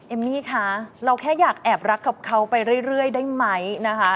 เอมมี่คะเราแค่อยากแอบรักกับเขาไปเรื่อยได้ไหมนะคะ